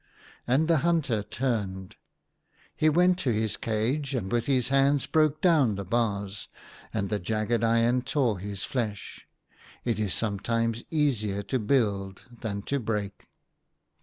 And the hunter turned. He went to his cage, and with his hands broke down the bars, and the jagged iron tore his flesh. It is sometimes easier to build than to break.